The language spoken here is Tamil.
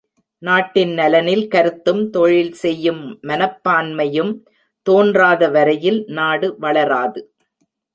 நாட்டின் நலனில் கருத்தும், தொழில் செய்யும் மனப்பான்மையும் தோன்றாத வரையில் நாடு வளராது.